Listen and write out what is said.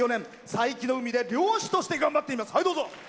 佐伯の海で漁師として頑張っています。